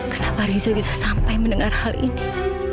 kenapa riza bisa sampai mendengar hal ini